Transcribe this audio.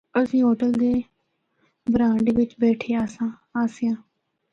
اسیں ہوٹل دے برانڈے بچ بیٹھے آسیاں۔